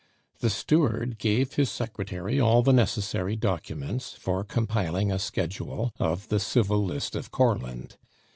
The steward gave his secretary all the necessary documents for compiling a schedule of the civil list of Courland.